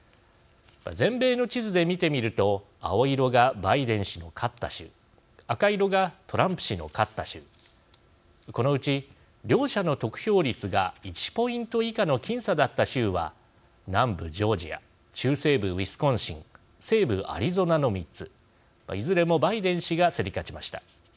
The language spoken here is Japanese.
全米の地図で見てみると青色がバイデン氏の勝った州赤色がトランプ氏の勝った州このうち、両者の得票率が１ポイント以下の僅差だった州は南部ジョージア中西部ウィスコンシン西部アリゾナの３つ、いずれもバイデン氏が競り勝ちました。